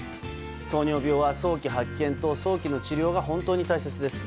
糖尿病は早期発見と早期治療が本当に大切です。